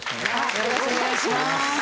よろしくお願いします。